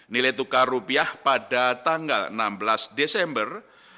nilai tukar rupiah pada tanggal enam belas desember dua ribu dua puluh